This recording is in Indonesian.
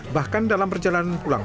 bahkan dalam perjalanan pulang